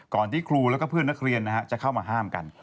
ที่ครูแล้วก็เพื่อนนักเรียนจะเข้ามาห้ามกัน